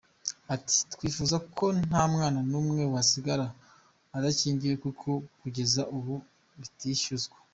Ati “Twifuza ko nta mwana n’umwe wasigara adakingiwe kuko kugeza ubu bitishyuzwa.